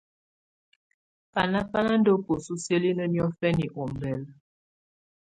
Báná bá ná ndá bǝ́su siǝ́linǝ́ niɔ́fɛna ɔmbɛla.